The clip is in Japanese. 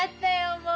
もう！